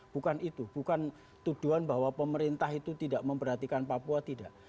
bukan itu bukan tuduhan bahwa pemerintah itu tidak memperhatikan papua tidak